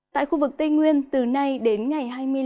tại khu vực tây nguyên từ nay đến ngày hai mươi năm